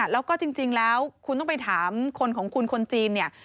แล้วก็จริงแล้วคุณต้องไปถามคนของคุณคนจีนเนี่ย